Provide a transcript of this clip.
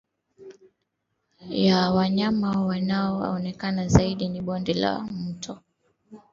ya wanyama wanaoonekana zaidi ya bonde la mto